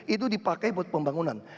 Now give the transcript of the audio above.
itu dipakai buat pembangunan